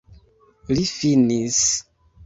Li finis!